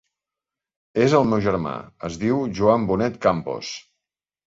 És el meu germà, es diu Joan Bonet Campos.